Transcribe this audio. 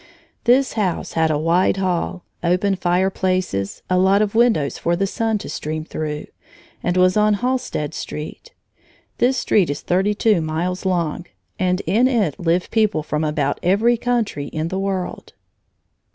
This house had a wide hall, open fireplaces, a lot of windows for the sun to stream through, and was on Halstead Street. This street is thirty two miles long, and in it live people from about every country in the world.